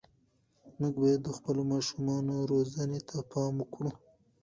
موږ باید د خپلو ماشومانو روزنې ته پام وکړو.